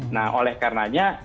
nah oleh karenanya